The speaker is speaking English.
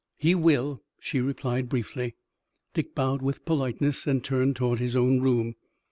"He will," she replied briefly. Dick bowed with politeness and turned toward his own room.